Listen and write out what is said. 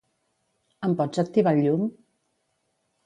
Em pots activar el llum?